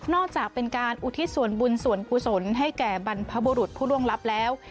จากเป็นการอุทิศส่วนบุญส่วนกุศลให้แก่บรรพบุรุษผู้ล่วงลับแล้ว